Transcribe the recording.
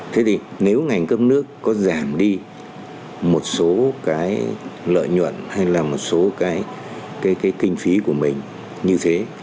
thế thì nếu ngành cấp nước có giảm đi một số cái lợi nhuận hay là một số cái kinh phí của mình như thế